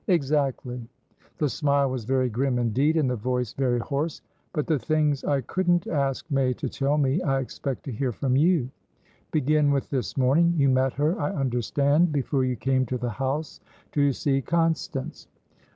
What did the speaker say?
"Exactly." The smile was very grim indeed, and the voice very hoarse. "But the things I couldn't ask May to tell me, I expect to hear from you. Begin with this morning. You met her, I understand, before you came to the house to see Constance."